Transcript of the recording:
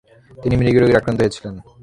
তিনি মৃগী রোগে আক্রান্ত হয়েছিলেন।